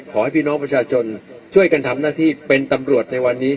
ขอให้พี่น้องประชาชนช่วยกันทำหน้าที่เป็นตำรวจในวันนี้